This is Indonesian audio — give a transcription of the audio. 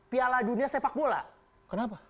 piala dunia sepak bola kenapa